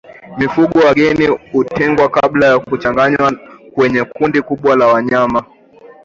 Mifugo wageni hutengwa kabla ya kuchanganywa kwenye kundi kubwa la wanyama